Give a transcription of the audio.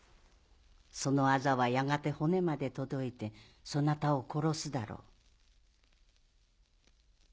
そのアザはやがて骨まで届いてそなたを殺すだろう。